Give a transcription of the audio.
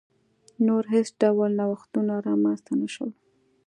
نور هېڅ ډول نوښتونه رامنځته نه شول.